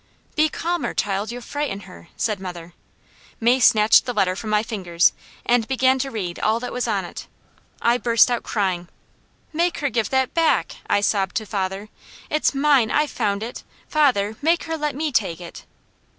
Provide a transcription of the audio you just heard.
"Be calmer, child, you'll frighten her," said mother. May snatched the letter from my fingers and began to read all that was on it aloud. I burst out crying. "Make her give that back!" I sobbed to father. "It's mine! I found it. Father, make her let me take it!"